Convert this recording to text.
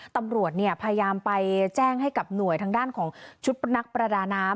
ตำรวจพยายามไปแจ้งให้กับหน่วยทางด้านของชุดนักประดาน้ำ